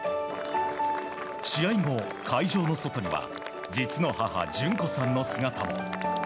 試合後、会場の外には実の母・淳子さんの姿も。